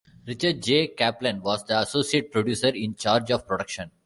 Richard J. Kaplan was the associate producer in charge of production.